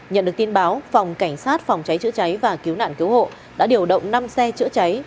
nhận được tin báo phòng cảnh sát phòng cháy chữa cháy và cứu nạn cứu hộ đã điều động năm xe chữa cháy